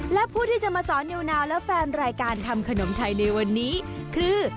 และผู้ที่จะมาสอนนิวนาวและแฟนรายการทำขนมไทยในวันนี้คือ